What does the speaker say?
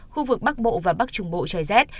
khu vực bắc bộ và bắc trung bộ trời rét